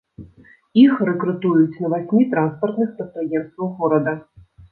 Іх рэкрутуюць на васьмі транспартных прадпрыемствах горада.